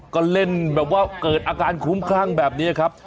ก็เล่นแบบว่าเกิดอาการคุ้มคลั่งแบบนี้ครับ